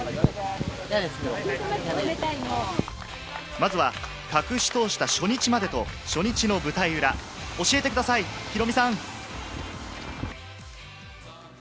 まずは隠し通した初日までと初日の舞台裏、教えてください、ヒロミさん！